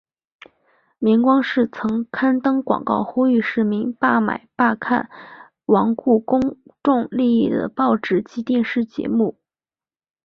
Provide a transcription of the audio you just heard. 明光社曾刊登广告呼吁市民罢买罢看罔顾公众利益的报纸及电视节目。